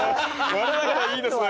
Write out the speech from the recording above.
我ながらいいですね。